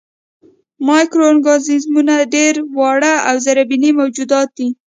مایکرو ارګانیزمونه ډېر واړه او زرېبيني موجودات دي.